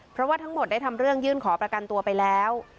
เพราะว่าทั้งหมดได้ทำเรื่องยื่นขอประกันตัวไปแล้ว